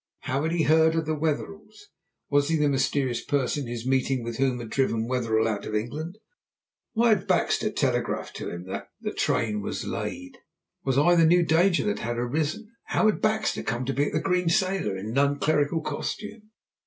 How had he heard of the Wetherells? Was he the mysterious person his meeting with whom had driven Wetherell out of England? Why had Baxter telegraphed to him that "the train was laid"? Was I the new danger that had arisen? How had Baxter come to be at the Green Sailor, in non clerical costume?